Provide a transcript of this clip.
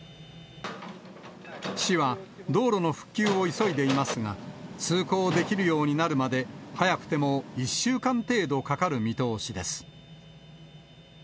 市は、道路の復旧を急いでいますが、通行できるようになるまで早くても１週間程度かかる見通しです。